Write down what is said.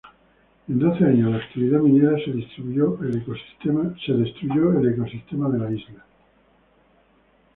En doce años de actividad minera se destruyó el ecosistema de la isla.